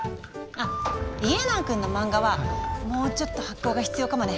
あっ家長君の漫画はもうちょっと発酵が必要かもね。